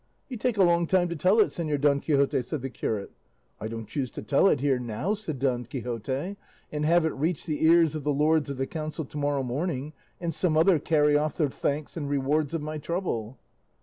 "You take a long time to tell it, Señor Don Quixote," said the curate. "I don't choose to tell it here, now," said Don Quixote, "and have it reach the ears of the lords of the council to morrow morning, and some other carry off the thanks and rewards of my trouble."